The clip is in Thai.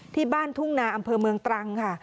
ที่บ้านทุ่งนาอำเภอเมืองตรังค่ะ